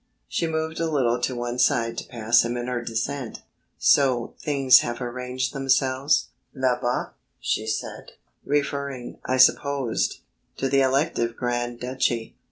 She moved a little to one side to pass him in her descent. "So things have arranged themselves là bas," she said, referring, I supposed, to the elective grand duchy.